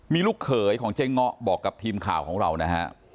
มีลูกเขยของเจ๊ง้อบอกกับทีมข่าวของเรานะฮะ